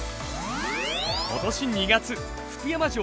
今年２月福山城